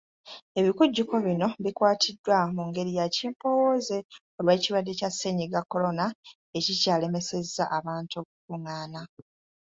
Ebikujjuko bino bikwatiddwa mu ngeri ya kimpowooze olw'ekirwadde kya Ssennyiga Corona ekikyalemesezza abantu okukungaana.